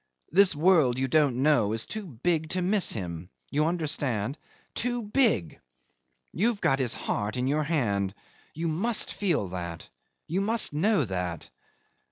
This world you don't know is too big to miss him. You understand? Too big. You've got his heart in your hand. You must feel that. You must know that."